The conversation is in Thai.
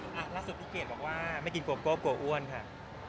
ล่าสุดพี่เกดบอกว่าไม่กินโกโก้กลัวอ้วนค่ะ